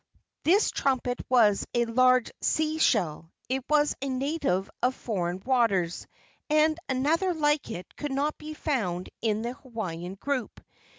This trumpet was a large sea shell. It was a native of foreign waters, and another like it could not be found in the Hawaiian group.